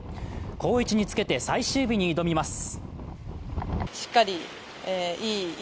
好位置につけて最終日に挑みます。